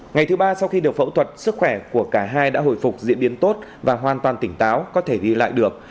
ngày thứ ba sau khi được phẫu thuật sức khỏe của cả hai đã hồi phục diễn biến tốt và hoàn toàn tỉnh táo có thể ghi lại được